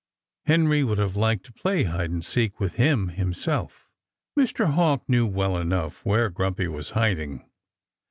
Henry would have liked to play hide and seek with him himself. Mr. Hawk knew well enough where Grumpy was hiding.